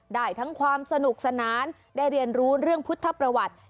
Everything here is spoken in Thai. ได้ทั้งความสนุกสนานได้เรียนรู้เรื่องพุทธประวัติ